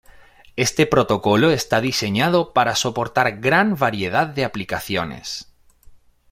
Este protocolo está diseñado para soportar gran variedad de aplicaciones.